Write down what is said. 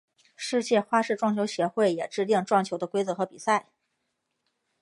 世界花式撞球协会也制定撞球的规则和比赛。